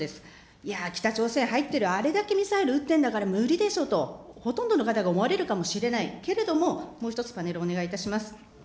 いやぁ、北朝鮮入ってる、あれだけミサイル撃ってんだから無理でしょうと、ほとんどの方が思われるかもしれない、けれども、もう１つパネルお願いいたします。